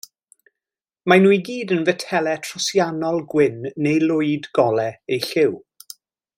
Maen nhw i gyd yn fetelau trosiannol gwyn neu lwyd golau eu lliw.